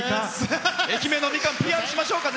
愛媛のみかんＰＲしましょうか。